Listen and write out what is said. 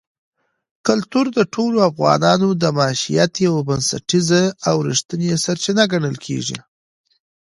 کلتور د ټولو افغانانو د معیشت یوه بنسټیزه او رښتینې سرچینه ګڼل کېږي.